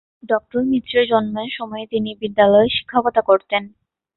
Doctor মিত্রের জন্মের সময়ে তিনি বিদ্যালয়ে শিক্ষকতা করতেন।